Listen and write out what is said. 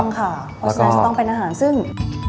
เพราะฉะนั้นจะต้องเป็นอาหารซึ่ง